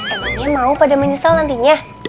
emangnya mau pada menyesal nantinya